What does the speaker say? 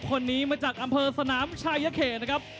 คนนี้มาจากอำเภอสนามชายเขตนะครับ